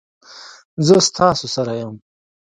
زه ستاسو سره یم